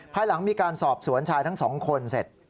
ภายหลังมีการสอบสวนชายทั้งสองคนเสร็จ